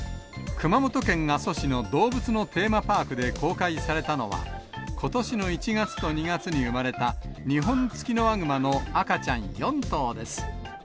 熊本県阿蘇市の動物のテーマパークで公開されたのは、ことしの１月と２月に生まれたニホンツキノワグマの赤ちゃん４頭です。